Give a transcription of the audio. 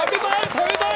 食べたい？